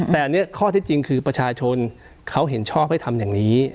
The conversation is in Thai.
แต่อันนี้ข้อที่จริงคือประชาชนเขาเห็นชอบให้ทำอย่างนี้